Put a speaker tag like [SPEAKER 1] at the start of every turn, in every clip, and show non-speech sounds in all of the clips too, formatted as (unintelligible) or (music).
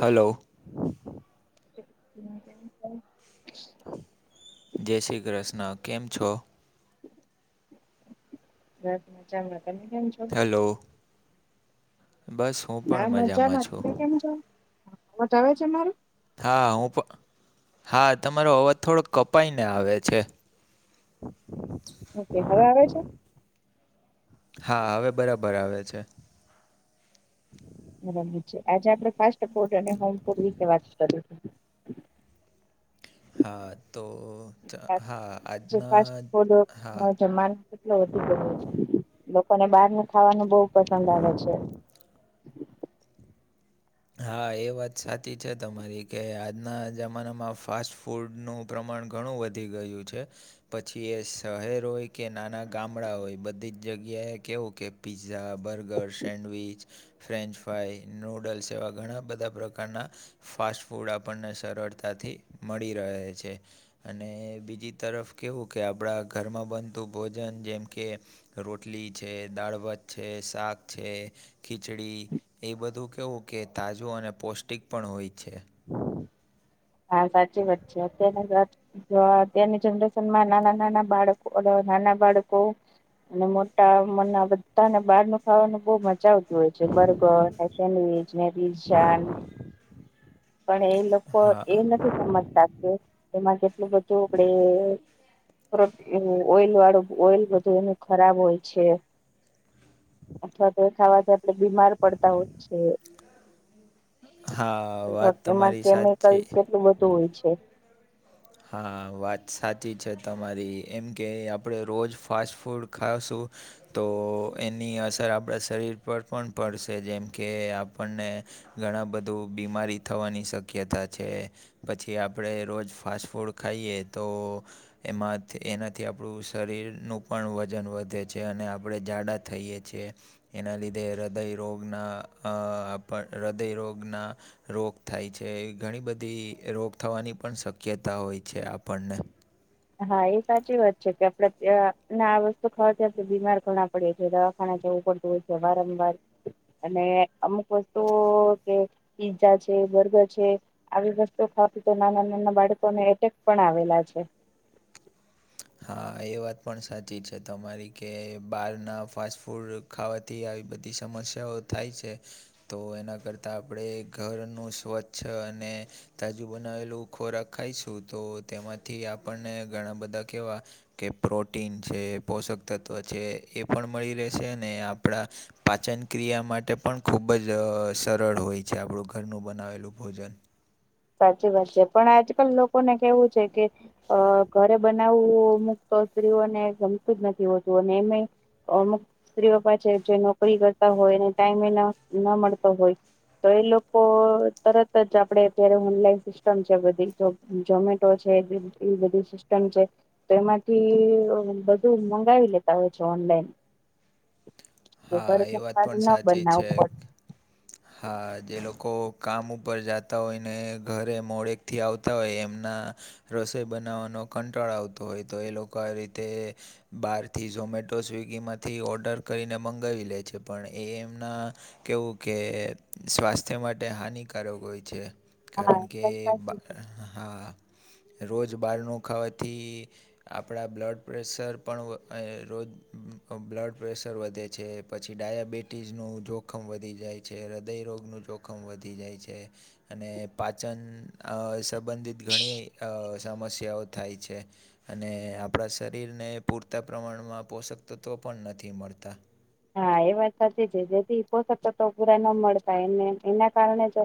[SPEAKER 1] Hello
[SPEAKER 2] (inaudible)
[SPEAKER 1] જય શ્રી કૃષ્ણ કેમ છો?
[SPEAKER 2] મજામાં તમે કેમ છો?
[SPEAKER 1] હેલો બસ હું પણ
[SPEAKER 2] હા મજામાં
[SPEAKER 1] છું
[SPEAKER 2] તમે કેમ છો અવાજ આવે છે મારું?
[SPEAKER 1] હા હું પણ હા તમારો અવાજ થોડો કપાઈને આવે છે.
[SPEAKER 2] ઓકે હવે આવે છે?
[SPEAKER 1] હા હવે બરાબર આવે છે.
[SPEAKER 2] બરાબર છે આજે આપણે ફાસ્ટ ફૂડ અને હોમ ફૂડ વિશે વાત કરીએ.
[SPEAKER 1] હા તો ચ- હા
[SPEAKER 2] જે ફાસ્ટ
[SPEAKER 1] આજના
[SPEAKER 2] ફૂડ
[SPEAKER 1] હા
[SPEAKER 2] જમાનો (unintelligible) એટ વધી ગયું છે લોકોને બહાર ને ખાવાનું બહુ પસંદ આવે છે.
[SPEAKER 1] હા એ વાત સાચી છે તમારી કે આજના જમાનામાં ફાસ્ટ ફૂડનું પ્રમાણ ઘણું વધી ગયું છે. પછી એ શહેર હોય કે નાના ગામડા હોય બધી જ જગ્યાએ કેવું કે pizza burger sandwich french fry noodles તેવા ઘણા બધા પ્રકારના ફાસ્ટ ફૂડ આપણને સરળતાથી મળી રહે છે. અને બીજી તરફ કેવું કે આપણા ઘરમાં બનતું ભોજન જેમ કે રોટલી છે દાળભાત છે શાક છે. ખીચડી એ બધું કેવું કે તાજું અને પૌષ્ટિક પણ હોય છે.
[SPEAKER 2] હા સાચી વાત છે અત્યાર ના જો અત્યારની જનરેશન માં નાના નાના બાળકો નાના બાળકો અને મોટા મ ના બધા ને બહાર ન ખાવાનું બહ મજા આવ હોય છે બર્ગર સેન્ડવીચ પીઝા ને પણ એ લોકો એ
[SPEAKER 1] હા
[SPEAKER 2] નથી સમજ તા કે એમાં કેટલું બધું આપડે ઓઈલ વાળું ઓઈલ બધું એનું ખરાબ હોય છે. અથવા તો ખાવાથી આપણે બીમાર પડતા હોય છે.
[SPEAKER 1] હા વાત
[SPEAKER 2] એમાં
[SPEAKER 1] તમારી
[SPEAKER 2] કેમિકલ
[SPEAKER 1] સાચી
[SPEAKER 2] કેટલું બધું હોય છે.
[SPEAKER 1] હા વાત સાચી છે તમારી એમ કે આપણે રોજ ફાસ્ટ ફૂડ ખાશું. તો એની અસર આપણા શરીર પર પણ પડશે જેમ કે આપણને ઘણા બધું બીમારી થવાની શક્યતા છે પછી આપણે રોજ ફાસ્ટ ફૂડ ખાઈએ તો એમાંથી એનાથી આપણું શરીરનું પણ વજન વધે છે અને આપણે જાડા થઈએ છે. એના લીધે હૃદય રોગના અ હૃદય રોગના રોગ થાય છે ઘણી બધી રોગ થવાની પણ શક્યતા હોય છે આપણને
[SPEAKER 2] હા એ સાચી વાત છે કે આપડેને આ વસ્તુ ખાવા જતા બીમાર પડાય પડ છે દવાખાના જવું પડતું હોય છે વારંવાર અને અમુક વસ્તુઓ કે પીઝા છે બર્ગર છે આવી વસ્તુ ખાતી તો નાના નાના બાળકોને એટેક પણ આવેલા છે
[SPEAKER 1] હા એ વાત પણ સાચી છે તમારી કે બહારના ફાસ્ટ ફૂડ ખાવાથી આવી બધી સમસ્યાઓ થાય છે તો એના કરતા આપણે ઘરનું સ્વચ્છ અને તાજું બનાવેલું ખોરાક ખાઈશું તો તેમાંથી આપણને ઘણા બધા કેવા કે પ્રોટીન છે પોષક તત્ત્વ છે એ પણ મળી રહેશે ને આપણા પાચનક્રિયા માટે પણ ખૂબ જ સરળ હોય છે આપણું ઘરનું બનાવેલું ભોજન
[SPEAKER 2] સાચી વાત છે પણ આજકાલ લોકોને કેવું છે કે અ ઘરે બનાવવું અમુક્ તો સ્ત્રીઓને ગમતું જ નથી હોતું અને એમે અમુક સ્ત્રીઓ પાસે જે નોકરી કરતા હોયને ટાઈમે ન મળતો હોય તો એ લોકો તરત જ આપડે અત્યારે ઓનલાઈન સિસ્ટમ છે બધી જોમેટો છે એ બધી સિસ્ટમ છે તો એમાંથી બધું મંગાવી લેતા હોય છે ઓનલાઈન
[SPEAKER 1] હા એ વાત
[SPEAKER 2] ઘરનું
[SPEAKER 1] પણ
[SPEAKER 2] ના
[SPEAKER 1] સાચી
[SPEAKER 2] બનનાવું
[SPEAKER 1] છે
[SPEAKER 2] પડ
[SPEAKER 1] હા જે લોકો કામ ઉપર જતા હોય ને ઘરે મોડેક થી આવતા હોય એમના રસોઈ બનાવવાનો કંટાળ આવતો હોય તો એ લોકો આ રીતે બહારથી ઝોમેટો સ્વિગી માંથી ઓર્ડર કરીને મંગાવી લે છે પણ એ એમના કેવું કે સ્વાસ્થ્ય માટે હાનિકારક હોય છે કારણ કે
[SPEAKER 2] પડે હા
[SPEAKER 1] હા રોજ બારનું ખાવાથી આપણા બ્લડ પ્રેશર પણ રોજ બ્લડ પ્રેશર વધે છે છે પછી ડાયાબિટીસનું જોખમ વધી જાય છે હૃદયરોગનું જોખમ વધી જાય છે અને પાચન સંબંધિત ઘણી સમસ્યાઓ થાય છે અને આપણા શરીરને પૂરતા પ્રમાણમાં પોષક તત્ત્વો પણ નથી મળતા
[SPEAKER 2] હા એ વાત સાચી છે જેથી પોષક તત્વો પૂરા ન મળતા એને એના કારણે જો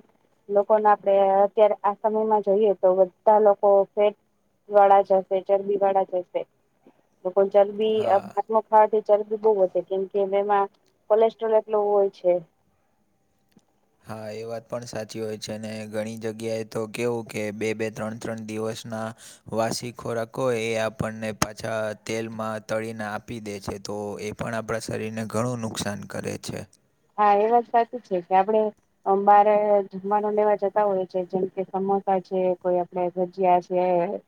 [SPEAKER 2] લોકોને આપડે અત્યારે આ સમયમાં જોઈએ તો બધા લોકો ફે વાળા જ હશે ચરબી વાળા જ હશે લોકો ચરબી
[SPEAKER 1] હા
[SPEAKER 2] ભાત ન ખાવાથી ચરબી બહુ કેમ કે એમાં કોલેસ્ટ્રોલ એટલો હોય છે
[SPEAKER 1] હા એ વાત પણ સાચી હોય છે અને ઘણી જગ્યાએ તો કેવું કે બે બે ત્રણ ત્રણ દિવસના વાસી ખોરાક એ આપણને પાછા તેલમાં તળીને આપી દે છે તો એ પણ આપણા શરીરને ઘણું નુકસાન કરે છે
[SPEAKER 2] હા એ વાત સાચી છે કે આપડે અમ બારે જમવાનું લેવા જતા હોય છે જેમ કે સમોસા છે કોઈ આપણે ભજીયા છે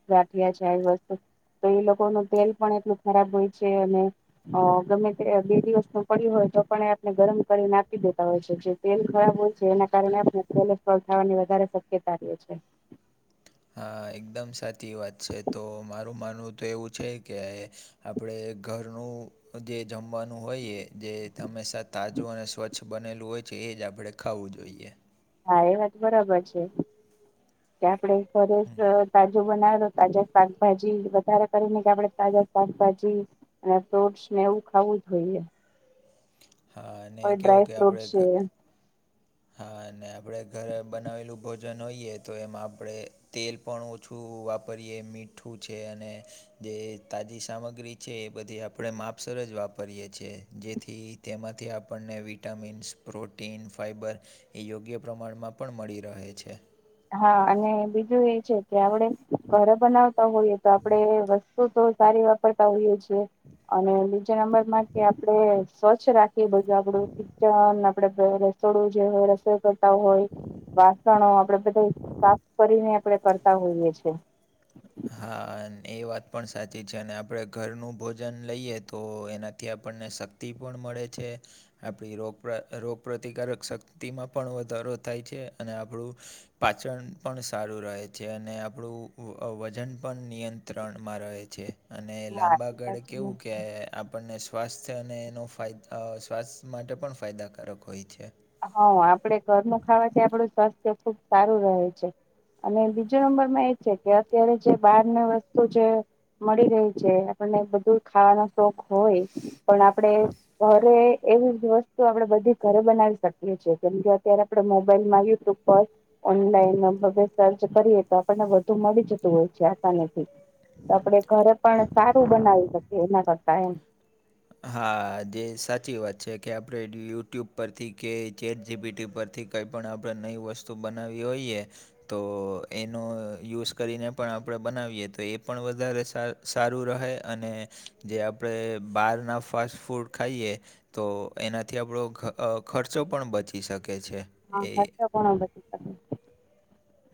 [SPEAKER 2] ગાઠિયા છે આવી વસ્તુ તો એ લોકોનું તેલ પણ એટલું ખરાબ હોય છે અને અ ગમે તે બે દિવસ ન પડ્યું હોય તો પણ એ આપને ગરમ કરી નાખી દેતા હોય છે જે તેલ ખરાબ હોય છે એના કારને સ્ટ્રોલવાની વધારે શક્યતા છે
[SPEAKER 1] હા એકદમ સાચી વાત છે તો મારું માનવું તો એવું છે કે આપણે ઘરનું જે જમવાનું હોઈએ જે હંમેશા તાજું અને સ્વચ્છ વચ્છ બનેલું હોય છે એ જ આપણે ખાવું જોઈએ
[SPEAKER 2] હા એ વાત બરાબર છે કે આપડે ઘરે જ તા જુ બનાવે તો તાજા શાકભાજી વધારે કરીને કે આપડે તાજા શાકભાજી અને ફ્રૂટ્સ ને એવું ખાવું જ જોઈએ
[SPEAKER 1] હા અને
[SPEAKER 2] કોઈ
[SPEAKER 1] કેવું
[SPEAKER 2] ડ્રાય
[SPEAKER 1] કે
[SPEAKER 2] ફ્રૂટ
[SPEAKER 1] આપણે
[SPEAKER 2] છે
[SPEAKER 1] હા અને આપડે ઘરે બનાવેલું ભોજન હોઈએ તો એમાં આપણેે તેલ પણ ઓછું વાપરીએ મીઠું છે અને જે તાજી સામગ્રી છે એ બધી આપણે માપસર જ વાપરીએ છેીએ જેથી તેમાંથી આપણને વિટામિન્સ પ્રોટીન ફાઈબર એ યોગ્ય પ્રમાણમાં પણ મળી રહે છે
[SPEAKER 2] હા અને બીજું એ છે કે આપડે ઘરે બનાવતા હોઈએ તો આપડે વસ્તુ તો સારી વાપરતા હોઈએ જ અને બીજા નંબરમાં કે આપડે સ્વચ્છ રાખીએ બધું આપડું કિચન આપડે રસોડું જે હોય રસોઈ કરતા હોય વાસણો આપડે બધા કરીને આપડે કરતા હોઈએ છે
[SPEAKER 1] હા એ વાત પણ સાચી છે અને આપડે ઘરનું ભોજન લઈએ તો એના થી આપણને શક્તિ પણ મળે છે આપડી રોગ રોગપ્રતિકારક શક્તિમાં પણ વધારો થાય છે અને આપડુ પાચન પણ સારું રહે છે અને આપડુ વજન પણ નિયંત્રણમાં રહે છે અને
[SPEAKER 2] હા
[SPEAKER 1] લાંબા
[SPEAKER 2] એ
[SPEAKER 1] ગાળે
[SPEAKER 2] સાચું
[SPEAKER 1] કેવું
[SPEAKER 2] જ
[SPEAKER 1] કે
[SPEAKER 2] છે
[SPEAKER 1] આપણને સ્વાસ્થ્ય અને એનો ફાયદ સ્વાસ્થ્ય માટે પણ ફાયદાકારક હોય છે
[SPEAKER 2] હ આપડે ઘરનું ખાવાથી આપડુ સ્વાસ્થ્ય ખુબ સારું રહે છે અને બીજો નંબર માં એ અત્યારે જે બહાર ના વસ્તુ જે મળી રહી છે આપણને બધું ખાવાનું શોખ હોય પણ આપડે ઘરે એવી જ વસ્તુ આપડે બધી ઘરે બનાવી શકીએ છીએ કેમ કે અત્યારે આપડે મોબાઈલમાં યુટ્યુબ પર ઓનલાઈન માં બધે સર્ચ કરીએ તો આપણને વધુ મળી જતું હોય છે આસાનીથી આપડે ઘરે પણ સારું બનાવી શકીએ એના કરતા એમ
[SPEAKER 1] હા જે સાચી વાત છે કે આપડે યુટ્યુબ પરથી કે ચેટ જીપીટી પરથી કંઈપણ આપડે નવી વસ્તુ બનાવવી હોઈએ તો એનો યુઝ કરીને પણ આપડે બનાવીએ તો એ પણ વધારે સા સારું રહે અને જે આપડે બારના ફાસ્ટ ફૂડ ખાઈએ તો એનાથી આપડો ખર્ચો પણ બચી શકે છે
[SPEAKER 2] હા
[SPEAKER 1] એ
[SPEAKER 2] ખર્ચો પણ બચી શકે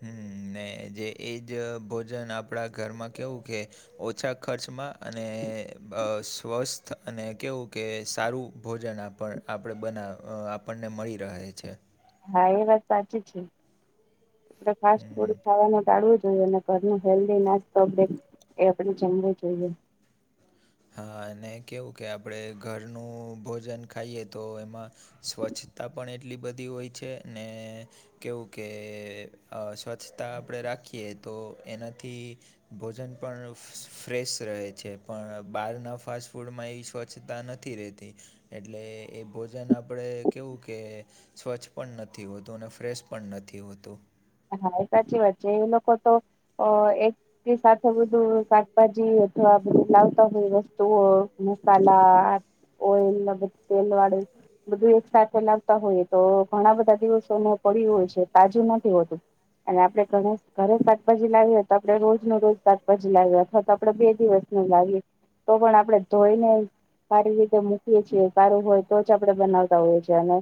[SPEAKER 1] હમ ને જે એ જ ભોજન આપડા ઘરમાં કેવું કે ઓછા ખર્ચમાં અને સ્વસ્થ અને કેવું કે સારું ભોજન આ પણ આપડે બનાવ આપણને મળી રહે છે
[SPEAKER 2] હા એ વાત સાચી છે આપડે ફાસ્ટ
[SPEAKER 1] હમ
[SPEAKER 2] ફૂડ ખાવાનું ટાળવો જોઈએ અને ઘરનું હેલ્દી નાસ્તો એ આપડે જમવું જોઈએ
[SPEAKER 1] હા અને કેવું કે આપડે ઘરનું ભોજન ખાઈએ તો એમાં સ્વચ્છતા પણ એટલી બધી હોય છે ને કેવું કે સ્વચ્છતા આપડે રાખીએ તો એનાથી ભોજન પણ ફ્રેશ રહે છે પણ બહારના ફાસ્ટ ફૂડમાં એવી સ્વચ્છતા નથી રહેતી એટલે એ ભોજન આપડે કેવું કે સ્વચ્છ પણ નથી હોતું અને ફ્રેશ પણ નથી હોતું
[SPEAKER 2] હા એ સાચી વાત છે એ લોકો તો અ એ કી સાથે બધું શાકભાજી અથવા બધુ લાવતા હોય વસ્તુઓ મસાલા ઓઈલ તેલ વાળું બધું એક સાથે લાવતા હોયએ તો ઘણા બધા દિવસો ને પડ્યું હોય છે તાજું નથી હોતું અને આપડે ઘરે શાકભાજી લાવીએ હોય તો આપડે રોજ ન રોજ શાકભાજી લાવીએ અથવા તો આપડે બે દિવસ લાવિયે તો પણ આપડે ધોઈને સારી રીતે મુ એ છીએ સારું હોય તો જ આપણે બનાવતા હોઈએ છે અને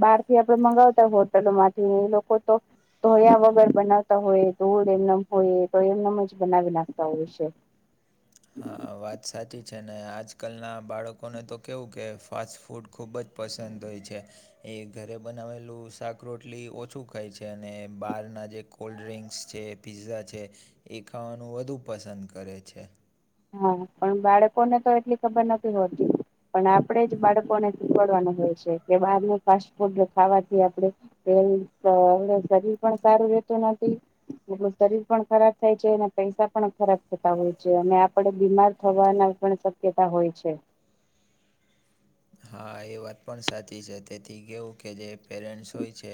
[SPEAKER 2] બહાર થી આપડે મગાવતા હોય હોટલોમાંથી લોકો તો ધોયા વગર બનાવતા હોય તોડ એમનેમ હોય તો એમનેમ જ બનાવી નાખતા હોય છે
[SPEAKER 1] હા વાત સાચી છે ને આજકાલના બાળકોને તો કેવું કે ફાસ્ટ ફૂડ ખૂબ જ પસંદ હોય છે એ ઘરે બનાવેલું શાક રટલી ઓછું ખાય છે અને બહાર ના જે કોલ્ડ ડ્રિક્સ છે પીઝા છે એ ખાવાનું વધુ પસંદ કરે છે
[SPEAKER 2] હા પણ બાળકોને તો એટલી ખબર નથી હોતી. પણ આપડે જ બાળકોને શીખવાડવાનું હોય છે કે બહારનું ફાસ્ટ ફૂડ ખાવાથી આપડે તેની જ પર એ હ શરીર પણ સારું રહેતું નથી. એટલે શરીર પણ ખરાબ થાય છે એના પૈસા પણ ખરાબ થતા હોય છે અને આપ પડ બીમાર થવાની પણ શક્યતા હોય છે.
[SPEAKER 1] હા એ વાત પણ સાચી છે તેથી કેવું કે જે પેરેન્ટ્સ હોય છે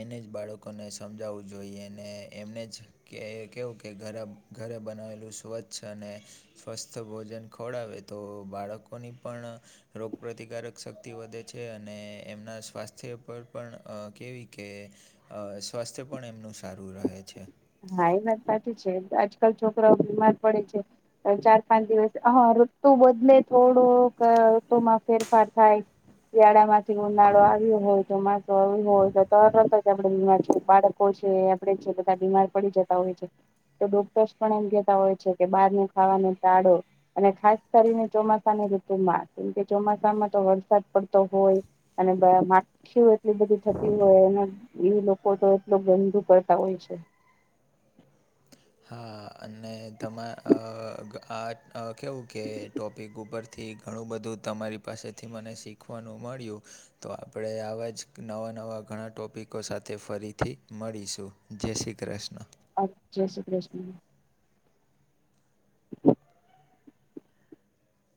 [SPEAKER 1] એને જ બાળકોને સમજાવવું જોઈએ અને એમને જ કે કેવું કે ઘરભ ઘરે બનાવેલું સ્વચ્છ અને સ્વસ્થ ભોજન ખવડાવે તો બાળકોની પણ રોક પ્રતિકારક શક્તિ વધે છે અને એમના સ્વાસ્થ્ય પર પણ અ કેવી કે અ સ્વાસ્થ્ય પણ એમનું સારું રહે છે.
[SPEAKER 2] હા એ વાત સાચી છે આજકાલ છોકરાઓ બીમાર પડે છે અ ચાર પાંચ દિવસ હ ઋતુ બદલે થોડુંક ઋતુમાં ફેરફાર થાય શિયાળા માંથી ઉનાળો આવ્યો હોય ચોમાસું આવ્યું હોય તો તરત જ આપડે બાળક તો છે આપડે છે બધા બીમાર પડી જતા હોય છે. તો ડોક્ટર્સ પણ એમ કેતા હોય છે કે બહાર નું ખાવાનું ટાળો. અને ખાસ કરીને ચોમાસાની ઋતુમાં કેમ કે ચોમાસામાં તો વરસાદ પડતો હોય અને દવામાં ખીઓ એટલી બધી થતી હોય ને એ લોકો તો એટલું ગંદુ કરતા હોય છે.
[SPEAKER 1] હા અને તમા અ આ અ કેવું કે ટોપિક ઉપર થી ઘણું બધું તમારી પાસેથી મને શીખવાનું મળ્યું. તો આપડે આવા જ નવા નવા ઘણા ટોપિકો સાથે ફરીથી મળીશું. જય શ્રી ક્રશ્ર્ન.
[SPEAKER 2] અહ જય શ્રી ક્રષ્ન. (unintelligible)